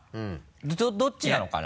どっちなのかな？